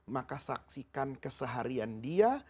maka saksikan keseharian dia